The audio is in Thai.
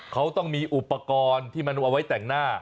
เขาต้องมีอุปกรณ์ที่มันเอาไว้แต่งหน้า